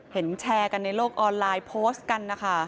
แชร์กันในโลกออนไลน์โพสต์กันนะคะ